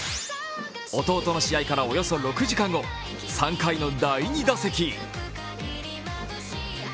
弟の試合からおよそ６時間後３回の第２打席。